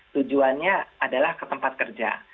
tujuannya adalah ke tempat kerja